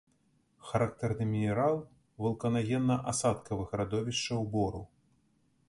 Характэрны мінерал вулканагенна-асадкавых радовішчаў бору.